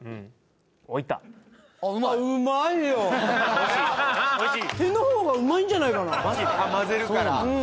おっいった手の方がうまいんじゃないかな・あっ混ぜるから？